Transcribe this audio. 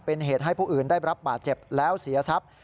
เป็นเหตุให้ผู้อื่นได้รับบาดเจ็บแล้วเสียทรัพย์